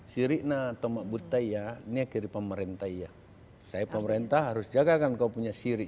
saya pemerintah harus jagakan kau punya siri